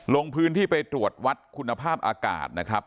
ลงพื้นที่ไปตรวจวัดคุณภาพอากาศนะครับ